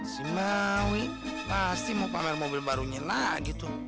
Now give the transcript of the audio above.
si maui pasti mau pamer mobil barunya lagi tuh